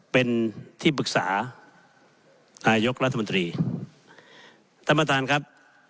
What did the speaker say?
เป็นที่ปรึกษานายกรัฐมนตรีท่านประธานครับ